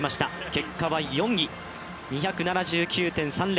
結果は４位。２７９．３０。